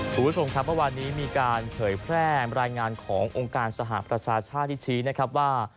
สวัสดีครับวันนี้มีการเผยแพร่งรายงานขององค์การสหรัฐประชาชาธิชีนะครับว่า